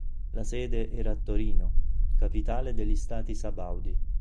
La sede era a Torino, capitale degli stati sabaudi.